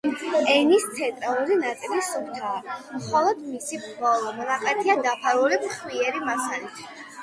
ენის ცენტრალური ნაწილი სუფთაა, მხოლოდ მისი ბოლო მონაკვეთია დაფარული ფხვიერი მასალით.